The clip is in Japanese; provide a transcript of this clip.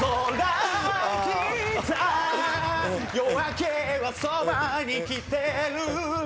夜明けはそばに来てる